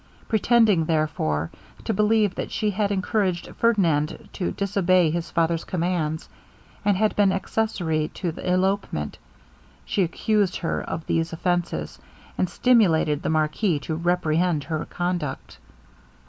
Pretending, therefore, to believe that she had encouraged Ferdinand to disobey his father's commands, and had been accessary to the elopement, she accused her of these offences, and stimulated the marquis to reprehend her conduct.